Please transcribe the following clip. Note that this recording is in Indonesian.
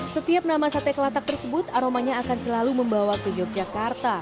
setiap nama sate kelatak tersebut aromanya akan selalu membawa ke yogyakarta